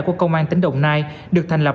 của công an tỉnh đồng nai được thành lập